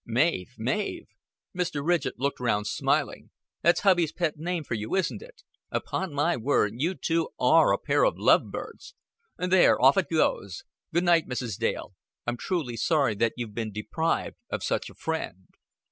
'" "Mav! Ma v!" Mr. Ridgett looked round, smiling. "That's hubby's pet name for you, isn't it? Upon my word, you two are a pair of love birds.... There, off it goes. Good night, Mrs. Dale. I'm truly sorry that you've been deprived of such a friend."